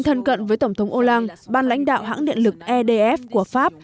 tin thân cận với tổng thống hollande ban lãnh đạo hãng điện lực edf của pháp